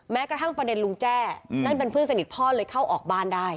กระทั่งประเด็นลุงแจ้นั่นเป็นเพื่อนสนิทพ่อเลยเข้าออกบ้านได้